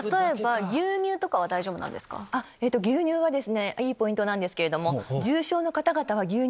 例えば。いいポイントなんですけれども。え！